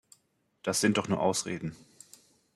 Das sind doch nur Ausreden.